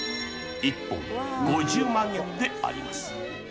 １本５０万円であります。